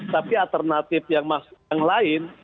tapi alternatif yang lain